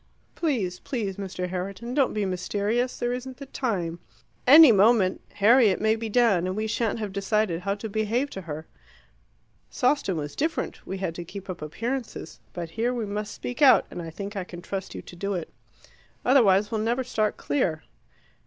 Please, please Mr. Herriton, don't be mysterious: there isn't the time. Any moment Harriet may be down, and we shan't have decided how to behave to her. Sawston was different: we had to keep up appearances. But here we must speak out, and I think I can trust you to do it. Otherwise we'll never start clear."